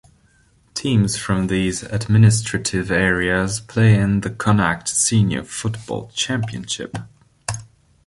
Teams from these administrative areas play in the Connacht Senior Football Championship.